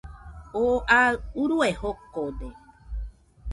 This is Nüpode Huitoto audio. Oo aɨ urue jokode